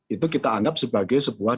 itu kita anggap sebagai sebuah